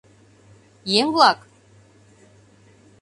— Еҥ-влак?